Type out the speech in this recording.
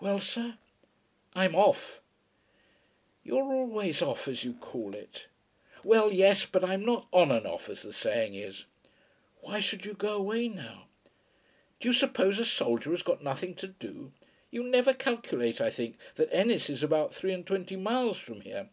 "Well, sir?" "I'm off." "You are always off, as you call it." "Well, yes. But I'm not on and off, as the saying is." "Why should you go away now?" "Do you suppose a soldier has got nothing to do? You never calculate, I think, that Ennis is about three and twenty miles from here.